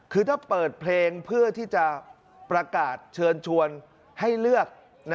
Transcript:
คือถ้าเปิดเพลงเพื่อที่จะประกาศเชิญชวนให้เลือก